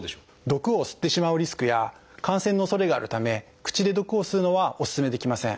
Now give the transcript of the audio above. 毒を吸ってしまうリスクや感染のおそれがあるため口で毒を吸うのはおすすめできません。